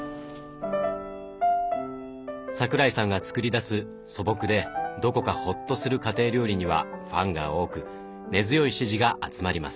桜井さんが作り出す素朴でどこかホッとする家庭料理にはファンが多く根強い支持が集まります。